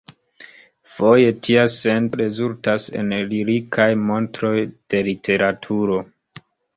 Foje tia sento rezultas en lirikaj montroj de literaturo.